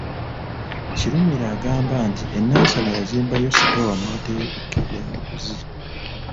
Kirumira agamba nti e Nansana yazimbayo sitoowa mw’atereka ebyamaguzi.